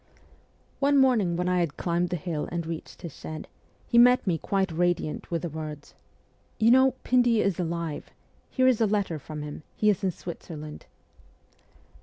One morning when I had climbed the hill and reached his shed, he met me quite radiant with the words :' You know, Pindy is alive ! Here is a letter from him ; he is in Switzerland.'